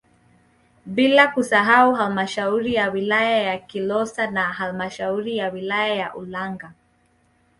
Bila kusahau halmashauri ya wilaya ya Kilosa na halmashauri ya wilaya ya Ulanga